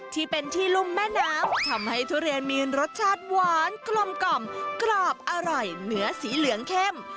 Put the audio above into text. ที่เป็นที่รุ่มแม่น้ำทำให้ทุเรียนมีรสชาติหวานกลมกล่อมกรอบอร่อยเนื้อสีเหลืองเข้ม